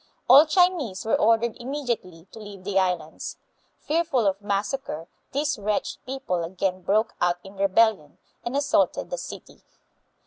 All Chinese were ordered immediately to leave the Islands. Fearful of massacre, these wretched people again broke out in rebellion, and assaulted the city.